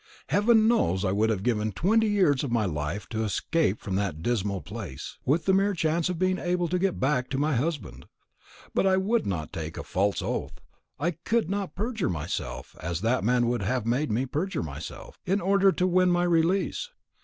Heaven knows I would have given twenty years of my life to escape from that dismal place, with the mere chance of being able to get back to my husband; but I would not take a false oath; I could not perjure myself, as that man would have made me perjure myself, in order to win my release.